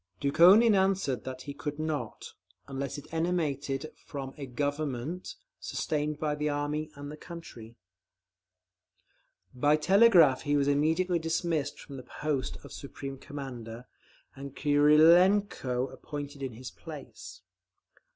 Dukhonin answered that he could not, unless it emanated from "a Government sustained by the Army and the country." By telegraph he was immediately dismissed from the post of Supreme Commander, and Krylenko appointed in his place.